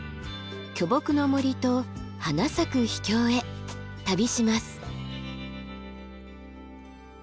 巨木の森と花咲く秘境へ旅します。